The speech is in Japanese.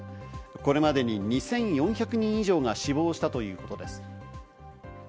これまでに２４００人以上が死亡したということです。